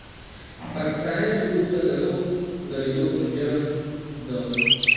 پاکستاني سرود ته د نه درېدو په جرم د